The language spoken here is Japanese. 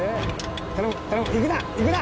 頼む頼む行くな行くな！